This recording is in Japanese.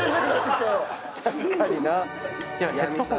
確かにな。